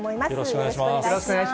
よろしくお願いします。